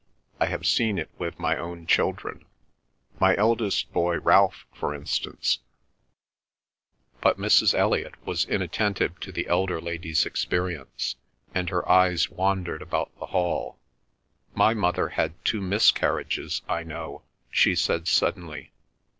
I have seen it with my own children. My eldest boy Ralph, for instance—" But Mrs. Elliot was inattentive to the elder lady's experience, and her eyes wandered about the hall. "My mother had two miscarriages, I know," she said suddenly.